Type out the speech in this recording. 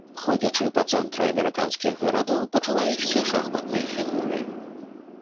Ходзячы па цэнтры амерыканскіх гарадоў, пачуваешся шахматнай фігурай.